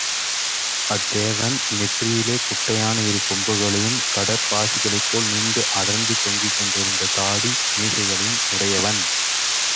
அத்தேவன் நெற்றியிலே குட்டையான இரு கொம்புகளையும், கடற் பாசிகளைப் போல் நீண்டு அடர்ந்து தொங்கிக்கொண்டிருந்த தாடி, மீசைகளையும் உடையவன்.